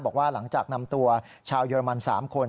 บอกว่าหลังจากนำตัวชาวเยอรมัน๓คน